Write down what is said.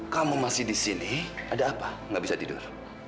kamu masih di sini ada apa nggak bisa tidur